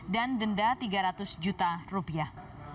dan denda tiga ratus juta rupiah